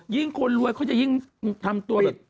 คนรวยเขาจะยิ่งทำตัวแบบ